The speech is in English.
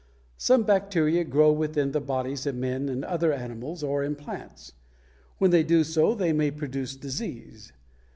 Some bacteria grow within the bodies of men and other animals or in plants. When they do so they may produce disease.